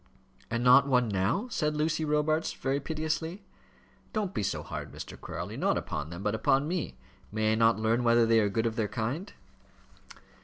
"And not one now?" said Lucy Robarts, very piteously. "Don't be so hard, Mr. Crawley, not upon them, but upon me. May I not learn whether they are good of their kind?"